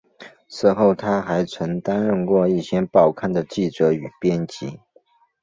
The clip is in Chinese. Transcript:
此后他还曾担任过一些报刊的记者与编辑。